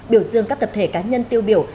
biểu dương các tập thể cá nhân tiêu biểu